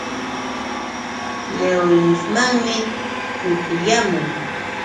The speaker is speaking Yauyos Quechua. Yawyusmanmi kutiyaamuu.